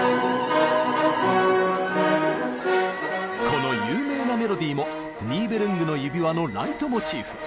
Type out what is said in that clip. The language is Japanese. この有名なメロディーも「ニーベルングの指環」のライトモチーフ。